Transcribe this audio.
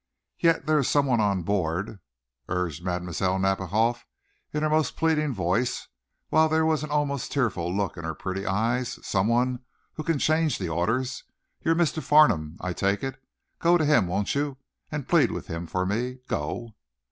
"Yet there is some one aboard," urged Mlle. Nadiboff, in her most pleading voice, while there was an almost tearful look in her pretty eyes, "some one who can change the orders. Your Mr. Farnum, I take it. Go to him, won't you, and plead with him for me? Go!"